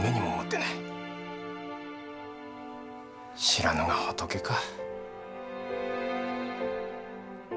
知らぬが仏か。